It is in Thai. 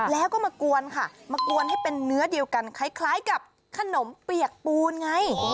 แล้วก็มากวนค่ะมากวนให้เป็นเนื้อเดียวกันคล้ายกับขนมเปียกปูนไง